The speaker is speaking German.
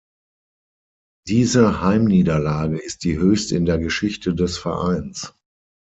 Diese Heimniederlage ist die höchste in der Geschichte des Vereins.